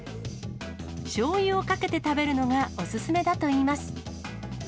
しょうゆをかけて食べるのがお勧めだといいます。